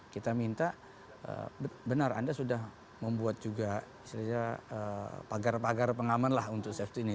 kita minta benar anda sudah membuat juga istilahnya pagar pagar pengaman lah untuk safety ini